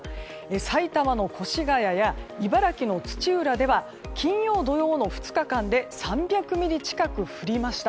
埼玉の越谷や茨城の土浦では金曜、土曜の２日間で３００ミリ近く降りました。